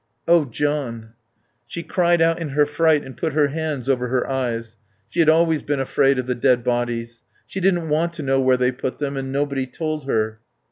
"Oh, John " She cried out in her fright and put her hands over her eyes. She had always been afraid of the dead bodies. She didn't want to know where they put them, and nobody told her.